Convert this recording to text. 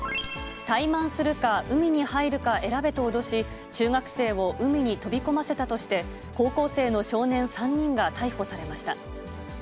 タイマンするか、海に入るか選べと脅し中学生を海に飛び込ませたとして、高校生の少年３人が逮捕されました。